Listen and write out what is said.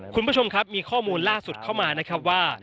คุณผู้ชมครับมีข้อมูลล่าสุดเข้ามานะครับว่า